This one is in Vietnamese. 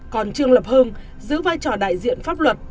còn trương lập hương giữ vai trò đại diện pháp luật